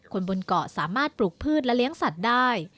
คนบนเกาะสามารถปลูกพืชและเลี้ยงสัตว์ได้